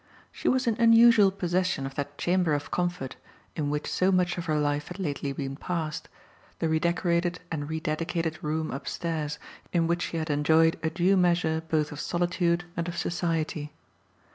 She was in unusual possession of that chamber of comfort in which so much of her life had lately been passed, the redecorated and rededicated room upstairs in which she had enjoyed a due measure both of solitude and of society.